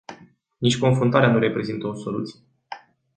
Nici confruntarea nu reprezintă o soluție.